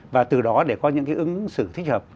và từ đó để có những cái ứng xử thích hợp